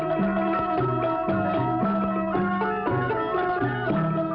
มันมันมันมันมัน